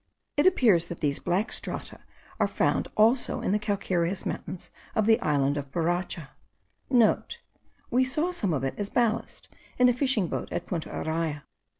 It appears that these black strata are found also in the calcareous mountains of the island of Boracha.* (* We saw some of it as ballast, in a fishing boat at Punta Araya.